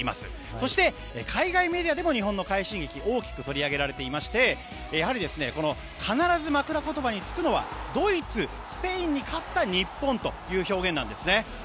そして海外メディアでも日本の快進撃は大きく取り上げられていまして必ず、枕詞につくのがドイツ、スペインに勝った日本という表現なんですね。